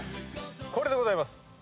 これでございます。